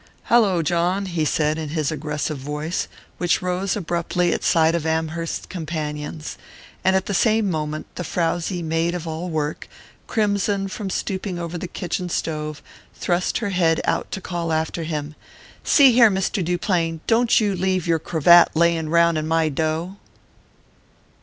"Hallo, John," he said, in his aggressive voice, which rose abruptly at sight of Amherst's companions; and at the same moment the frowsy maid of all work, crimson from stooping over the kitchen stove, thrust her head out to call after him: "See here, Mr. Duplain, don't you leave your cravat laying round in my dough."